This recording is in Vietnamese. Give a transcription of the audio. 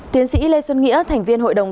tiến sĩ lê xuân nghĩa thành viên hội đồng